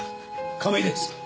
亀井です。